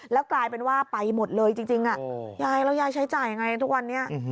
แล้วกลายเป็นว่าไปหมดเลยจริงยายแล้วยายใช้จ่ายยังไงทุกวันนี้